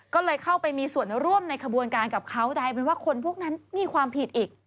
ก็เลยเข้าไปมีส่วนร่วมในขบวนการกับเขากลายเป็นว่าคนพวกนั้นมีความผิดอีก